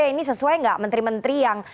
ini sesuai nggak menteri menteri yang